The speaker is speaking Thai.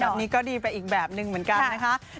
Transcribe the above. แบบนี้ก็ดีไปอีกแบบนึงเหมือนกันนะคะ